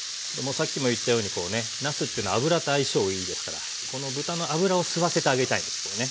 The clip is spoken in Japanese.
さっきも言ったようにこうねなすというのは油と相性いいですからこの豚の脂を吸わせてあげたいんですよね。